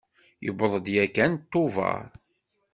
Yewweḍ-d yakan Tubeṛ.